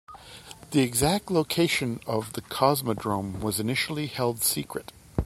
The exact location of the cosmodrome was initially held secret.